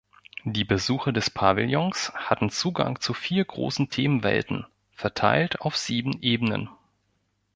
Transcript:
Die Besucher des Pavillons hatten Zugang zu vier großen Themenwelten, verteilt auf sieben Ebenen.